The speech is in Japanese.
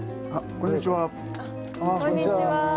こんにちは。